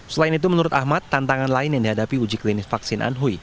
selain itu menurut ahmad tantangan lain yang dihadapi uji klinis vaksin anhui